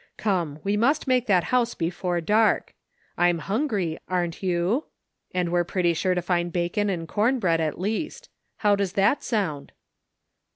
Come, we must make that house before dark. I'm htmgry, aren't you? And we're pretty sure to find bacon and corn bread at least. How does that sound